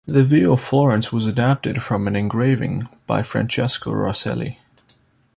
The view of Florence was adapted from an engraving by Francesco Rosselli.